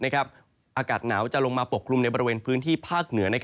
อากาศหนาวจะลงมาปกคลุมในบริเวณพื้นที่ภาคเหนือ